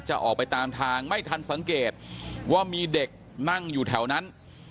จะออกไปตามทางไม่ทันสังเกตว่ามีเด็กนั่งอยู่แถวนั้น